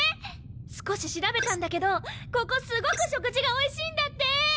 少し調べたんだけどここすごく食事がおいしいんだって！